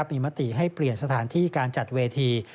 มีมติให้เปลี่ยนสถานที่การจัดเวที